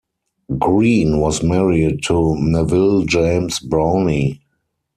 Green was married to Neville James Browne.